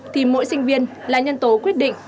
thì mỗi sinh viên là nhân tố quyết định